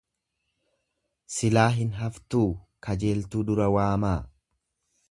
"""Silaa hin haftuu kajeeltuu dura waamaa""."